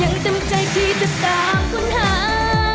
ยังเต็มใจที่จะตามค้นหา